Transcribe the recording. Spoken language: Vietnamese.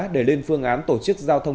để lên phương án tổ chức giao thông